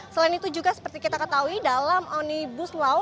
selain itu juga seperti kita ketahui dalam omnibus law